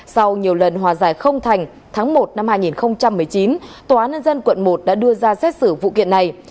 sau nhiều lần hòa giải không thành tháng một năm hai nghìn một mươi chín tòa án nhân dân quận một đã đưa ra xét xử vụ kiện này